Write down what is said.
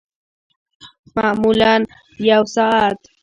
معمولاً یوه ساعت